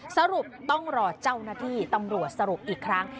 สรุปต้องรอเจ้าหน้าที่ตำรวจสรุปอีกครั้ง